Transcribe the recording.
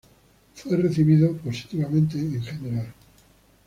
Fue recibido positivamente en general.